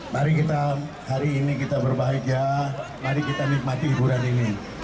mari kita hari ini kita berbahagia mari kita nikmati hiburan ini